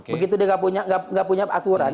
begitu dia nggak punya aturan